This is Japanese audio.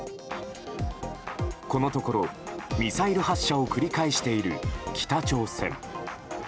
このところ、ミサイル発射を繰り返している北朝鮮。